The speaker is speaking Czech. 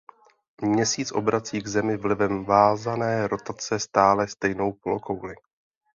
Měsíc obrací k Zemi vlivem vázané rotace stále stejnou polokouli.